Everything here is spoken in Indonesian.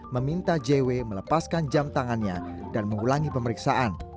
meminta j w melepaskan jam tangannya dan mengulangi pemeriksaan